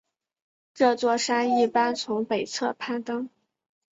这座山一般从北侧攀登。